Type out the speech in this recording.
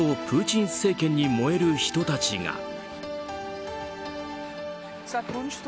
プーチン政権に燃える人たちが。